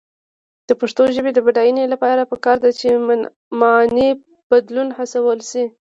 د پښتو ژبې د بډاینې لپاره پکار ده چې معنايي بدلون هڅول شي.